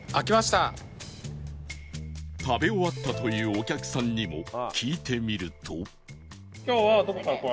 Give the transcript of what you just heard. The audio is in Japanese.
食べ終わったというお客さんにも聞いてみると